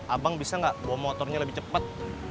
abang bisa nggak bawa motornya lebih cepat